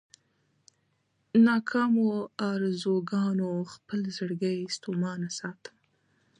ناکامو ارزوګانو خپل زړګی ستومانه ساتم.